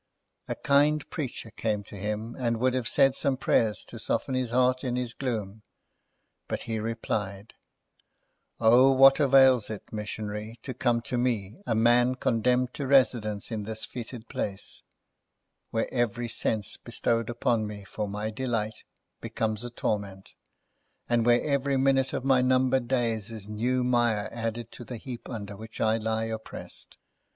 A kind preacher came to him, and would have said some prayers to soften his heart in his gloom, but he replied: "O what avails it, missionary, to come to me, a man condemned to residence in this foetid place, where every sense bestowed upon me for my delight becomes a torment, and where every minute of my numbered days is new mire added to the heap under which I lie oppressed!